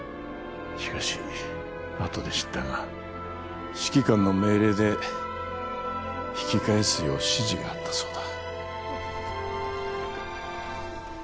しかしあとで知ったが指揮官の命令で引き返すよう指示があったそうだ